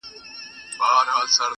زه په تیارو کي چي ډېوه ستایمه,